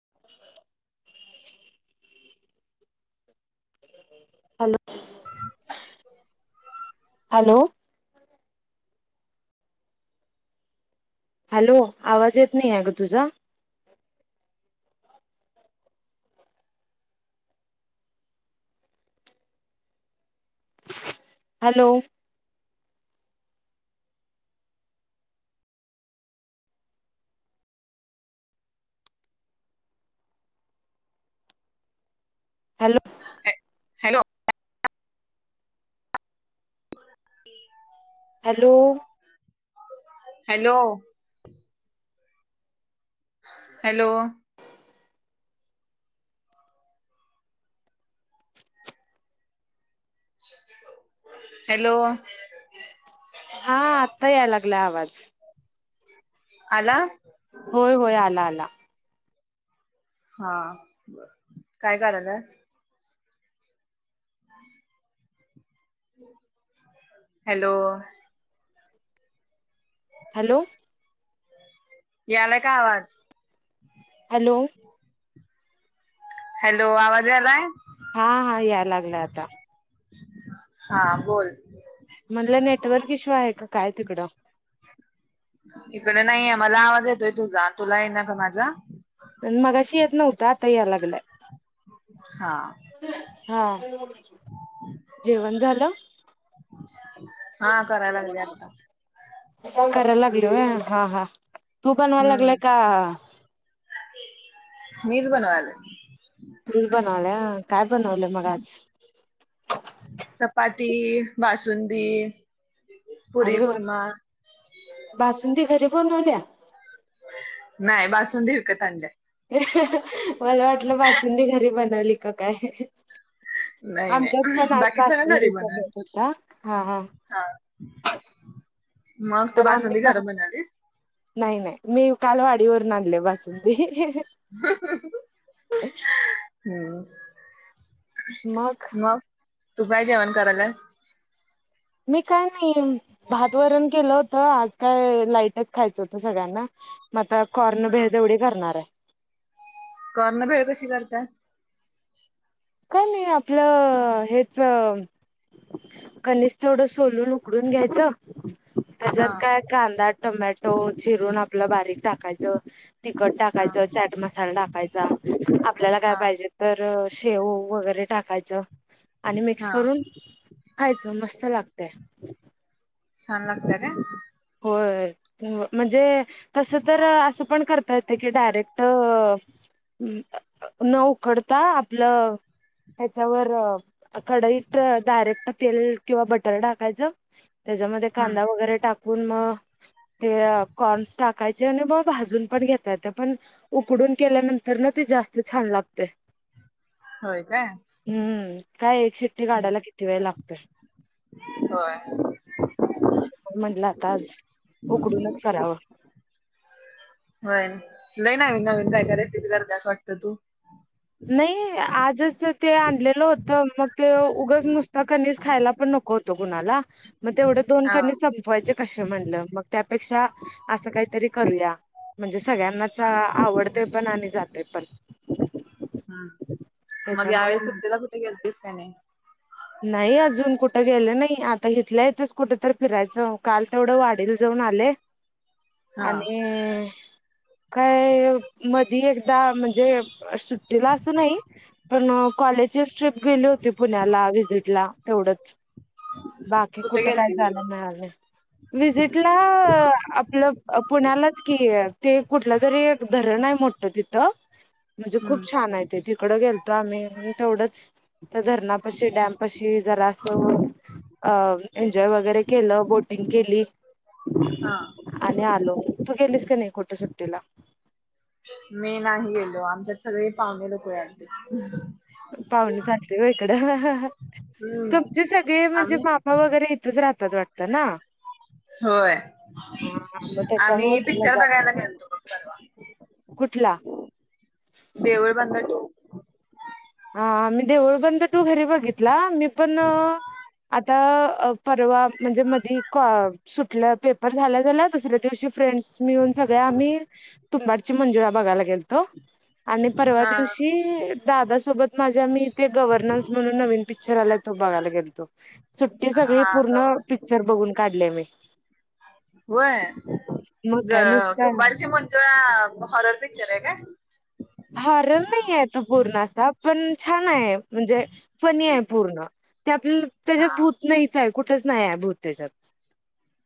[unintelligible] Hello. Hello. Hello आवाज येत नाही आहे गं तुझा. Hello. Hello hello. Hello. Hello. Hello. Hello. हा आत्ता याय लागला आवाजं. आला. होय होय आला आला. हा काय करायल्यासं हम्. हॅलो. हॅलो. यालायं का आवाज? हॅलो. हॅलो आवाज यालायं हा हा याय लागला आता. हा बोलं. म्हटलं नेटवर्क इश्यू आहे का काय तिकडं. इकडे नाहीये मला आवाज येतोय तुझा तुला आहे ना का माझा. मगाशी येत नव्हता आता याय लागलाय. हा. हा जेवण झालं. हा करायं लागले आता. कराय लागेल व्हय हा हा तू बनवाय लागलायं का हम्म - मीच बनवालायं. तूच बनवल्या काय बनवलं मग आज. ती बासुंदी. पुरी अरे वा! कुर्मा बासुंदी घरी बनवल्या. नाही बासुंदी विकत आणल्या. मला वाटलं बासुंदी घरी बनवली का कायं. नाही आमच्यात नाही पण आज बाकी सगळं घरी बासुंदीचा बनवलं भेत होता. हा हा. मग तू पण आम्ही बासुंदी घर बघा बनवलीस नाही नाही मी काल वाडीवरून आणले बासुंदी. [inaudible] मग मगं तू काय जेवण करायलासं. मी काय नाही भात वरण केलं होतं आज काय लाईटच खायचं होतं सगळ्यांना. मग आता कॉर्न भेळ एवढी करणार आहे. काॅर्न भेळ कशी करतातं. काही नाही आपलं हेच. कनिस थोडं सोलून उकडून घ्यायचं. हा त्याच्यात काय कांदा टोमॅटो चिरून आपलं बारीक टाकायचं. तिखट हा टाकायचं चाट मसाला टाकायचा आपल्याला काय हा पाहिजे तरं. शेव वगैरे टाकायचं आणि मिक्स हा करून खायच मस्तं लागतयं. छान लागत्या कायं. हो म्हणजे तस तर असं पण करता येते की डायरेक्ट - न उखडता आपलं त्याच्यावर कढईत डायरेक्ट तेल किंवा बटर टाकायचं त्याच्यामध्ये हम्म कांदा वगैरे टाकून मग ते कॉर्नस टाकायचे आणि ब भाजून पण घेताेत पण उकडून केल्यानंतर किती जास्त छान लागते होय काय शिट्टठी हम्म. काढायला किती वेळ लागतो होय म्हटला तज उकडूनच करावं होय लई ना् नवीन काय का रेसिपी करतेस वाटतं तू नाही आज जस ते आणलेलं होत मग ते उगच नुसत कनीस खायला पण नको होतं कुणाला मग तेवढं दोन हा कणीस संपवायचे कसे म्हणलं मग त्यापेक्षा असं काहीतरी करूया म्हणजे सगळ्यांनाच आवडते पण आणि जाते पण हम्म मग यावेेळीस त्याच्यामुळे सुट्टीला कुठे गेलतेस काही नाही नाही अजून कुठं गेले नाही आता इथल्या यथच कुठ तररी फिरायचं काल तेवढं वाढल जाऊन आले हा आणि काय मधी एकदा म्हणजे सुट्टीला असं नाही पण कॉलेजचीच ट्र्रीप गेली होती पुण्याला व्हिजिटला तेवढंच बाकी कुठे कुठ काय गेलती झाला विजिट? मिळालं विजिटला आपलं पुण्यालाच कि आहे ते कुठलं तरी धरण आहे मोठत तिथं म्हणजे खूप हम्म छान आहे ते तिकडं गेलतो आम्ही तेवढंच तर धरणापशी डॅम अशी जरा असं अ एन्जॉय वगैरे केलं बोटिंग केली हा आणि आलो तू गेलीस का नाही कुट सुट्टीला मी नाही गेलो आमच्यात सगळे पाहुणे लोक आलते पाहुणे चालते ग इकडं हम्म तुमचे सगळे म्हणजे आम्ही मामा वगैरे इथच राहतात वाटत ना होय हा मग त्याच्यामुळे आम्ही तुला पिक्चर जात बघायला नाही गेलतो कुठला देवूळ बंद टू हा मी देऊळ बंद तर टू घरी बघितला मी पण आता परवा म्हणजे मध सुटलं पेपर झाला झाल्या दुसऱ्या दिवशी फ्रेंड्स मिळून सगळ्या आम्ही तुंबाडची मंजुळा बघायला गेलतो आणि परवा हा दिवशी दादा माझ्या मीथे गव्हर्न्स म्हणून नवीन पिक्चर आला तो बघयला गेलो सुट्टी सगळी हा पूर्ण गवा पिक्चर बघून काढले मी होय मग काय नुसता तुंबाडशी मंजुळा हॉरर पिक्चर आहे का हॉरर नाहीये तो पूर्ण असा पण छान आहे म्हणजे फनी आहे पूर्ण ते आपल्या हा त्याच्यात भूत नाही चाय कुठच नाही आहे भुत तेजात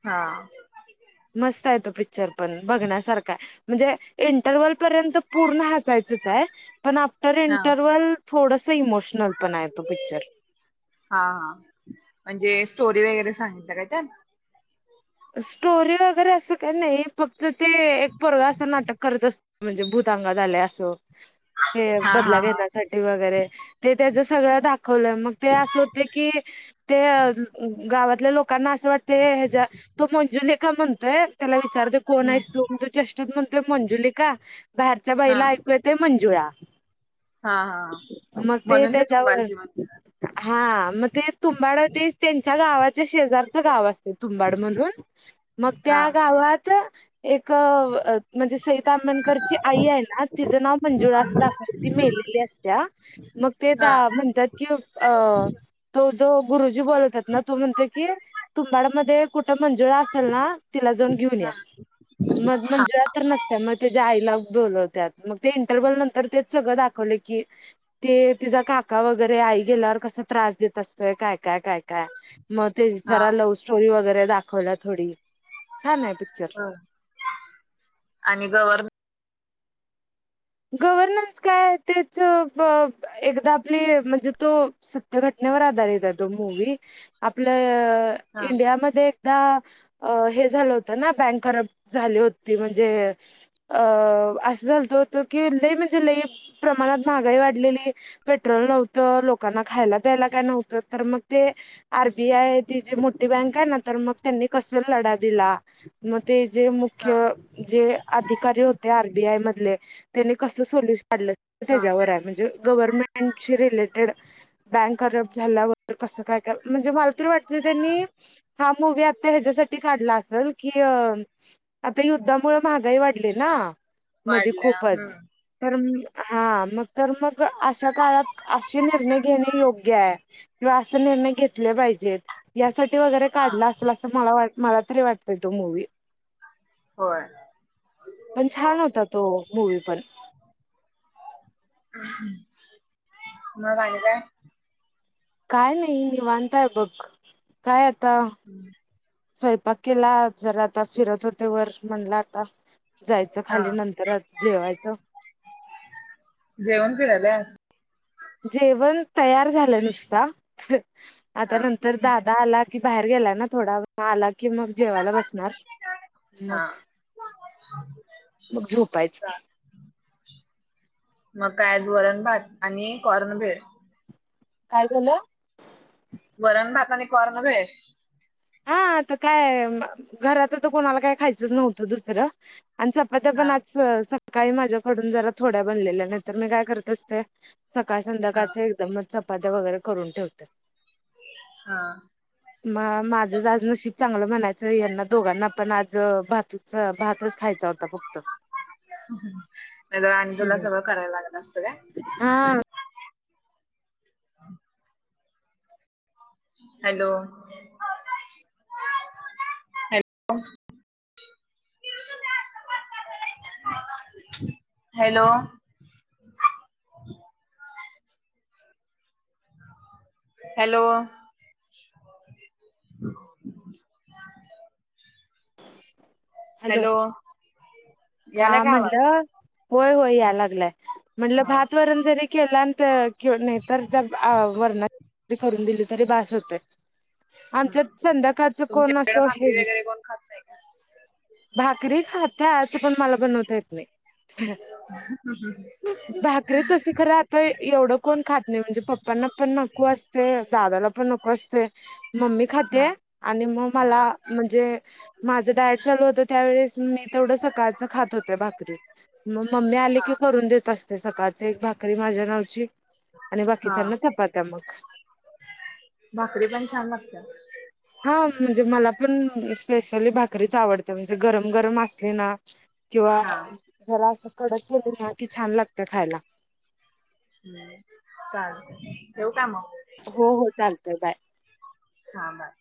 हा मस्त आहे तो पिक्चर पण बघण्यासारखा म्हणजे इंटरवल पर्यंत पूर्ण हसायचच आहे पण आफ्टर हा हा इंटरवल थोडंसं इमोशनल पण आहे तो पिक्चर हा म्हणजे सो वगैरे सांगित का स्टोरी वगैरे असं का नाही फक्त ते एक परग असं नाटक करत असत म्हणजे भ हंगा झाले असो ते हा बदला हा हा घेण्यासाठी वगैरे ते त्याच सगळं दाखवलं मग ते असं होते की ते गावातल्या लोकांना असं वाटते हच्या तो मंजुली का म्हणतोय त्याला विचारते कोण हम्म आहेस तो तो चेष्टात म्हणतोय मंजुली का बाहेर आच्या हा बाईला ऐकू येत मंजुळा हा हा मग ते म्हणून त्याच्यावर तुंबाडची मंजुळा हा मग ते तुंबाड ते त्यांच्या गावाच्या शेजारचं गाव असते तुंबाडमधून मग हा त्या गावात एक म्हणजे सईता अंबणकरची आई आहे ना तिचं नाव मंजुळा दाकवती मेलेली असत्या मग ते हा म्हणतात की अ तो तो गुरुजी बोलतात ना तू म्हणत की तुंबाड मध्ये कुठ मंजुळा असेल ना तिला जाऊन घेऊन या मग हा मंजुळा तर नसत्या मग त्याच्या आईला त्यात मग ते इंटरवल नंतर ते सगळं दाखवले की ते ति काका वगैरे, का गेल्यावर कस त्रास देत असतोय काय काय काय काय मग ते हा जरा लव्ह स्टोरी वगैरे दाखवला थोडी छान आहे पिक्चर हो आणि गव्हर्नन्स काय आहे तेच एकदा आपली म्हणजे तो सत्य घटना [unintelligible] हा इडियामध्ये झा होत ना बँक झाली होती म्हणजे अस झा की ल म्हणजे लई प्रमाणात महागाई वाढलेली पेट्रोल नव्हतं लोकांना खायला [inaudible] मगं ते जे हा मुख्य जे अधिकारी होते आरबीआय मधले त्यांनी कस सोल्युशन काढलं हा [unintelligible] गव्हर्नमेंट ची रिलेटेड बँक करप्ट झाल्यावर कसं काय काय म्हणजे मला तरी वाट त्यांनी हा मुवी आता ह्याच्यासाठी काढला असेल की आता युद्धामुळे महागाई वाढली ना मध्ये वाढल्या खूपच हम्म तर हा मग तर मगं अशा काळात असे निर्णय घेणे योग्य आहे किंवा असे निर्णय घेतले पाहिजेत यासाठी वगैरे हा काढला असेल असं मला मला तरी वाटत तो मूवी होय पण छान होता तो मूवी पण [unintelligible] काय नाही मी बनताय बघ काय आ हम्म. स्वयंपाक केला जरा आता फिरत होते व म्हणला आता जायचं हा खाली नंतरच जेवायचं जेवण फि झालेस जेवण तयार झालं नुसता हा आता नंतर दादा आला कि बाहेर गेलाय ना थोडा आला कि मग जेवायला बसणार मग हा मग झोपायच चा कायज वरण भात आणि कॉर्नभेळ काय झालं? वरणभाता आणि कॉर भेळ हाता काय घरात तर कोणाला काय खायचंच नव्हतं दुसरं आणि चपात्या हा पण आज सकाळी माझ्याकडून जरा थोड्या बनलेल्या नाही तर मी काय करत असते सकाळ हा संध्याकाळच एकदमच चपात्या वगैरे करून ठेवते हा. मग माझं आज नशीब चांगलं म्हणायचं यांना दोघांना पण आज भात भातच खायचा होता फक्त नाही तर आणि तुला सगळं करायला लागलं असत का हा [unintelligible] hello! Hello! Hello! Hello! Hello हा याला का आवाज म्हटलं होय होय या लागलाय म्हटल हा भात वरण जरी केला किंवा नाहीतर त्या वर्ण करून दिली तरी भास होते हम्म आमच्यात संध्याकाळच कोण तुमच्याकडे असं भाकरी आहे वगैरे कोण खात नाही का भाकरी खाता असं पण मला बनवता येत नाही हम् भाकरी तस खरं आता एवढं कोण खात नाही म्हणजे पप्पांना पण नको असते दादाला नको असते मम्मी खाते हा आणि मग मला म्हणजे माझं डायट चालू होतं त्यावेळेस मी तेवढं सकाळच खात होते भाकरी मग मम्मी आली हा की करून देत असते सकाळच एक भाकरी री माझ्या नावची आणि हा बाकीचाना पात्या मग भाकरी पण छान लागते हा म्हणजे मला पण स्पेशली भाकरीच आवडते म्हणजे गरम गरम असली ना किंवा हा जरा असं कडक केले ना कि छान लागते खायला हम्म चाल ठऊ काम हो हो चालतय बाय हा बाय